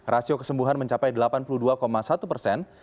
rasio kesembuhan mencapai delapan puluh dua satu persen